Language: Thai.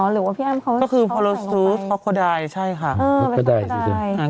หรือว่าพี่อ้ำเขาขอแสวงลงไป